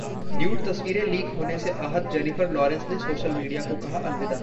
nude तस्वीरें leak होने से आहत जेनिफर लॉरेंस ने सोशल मीडिया को कहा अलविदा